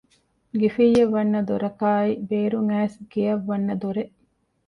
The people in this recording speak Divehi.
ގިފިއްޔަށް ވަންނަ ދޮރަކާއި ބޭރުން އައިސް ގެއަށް ވަންނަ ދޮރެއް